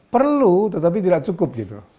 perlu tetapi tidak cukup